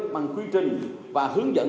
bằng quy trình và hướng dẫn